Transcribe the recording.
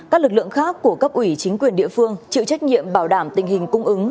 các lực lượng khác của cấp ủy chính quyền địa phương chịu trách nhiệm bảo đảm tình hình cung ứng